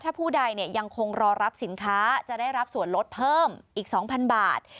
ถ้าผู้ใดยังคงรอรับสินค้าจะได้รับส่วนลดเพิ่มอีก๒๐๐บาท